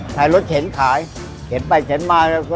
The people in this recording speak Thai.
รถเข็นขายเข็นไปเข็นมา